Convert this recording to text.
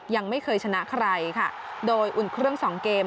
ยังไม่เคยชนะใครค่ะโดยอุ่นเครื่องสองเกม